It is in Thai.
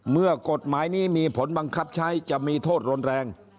เมื่อกฎหมายนี้มีผลบังคับใช้จะมีโทษรุนแรง